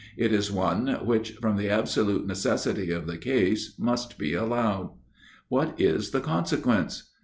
It is one, which, from the absolute necessity of the case, must be allowed. What is the consequence?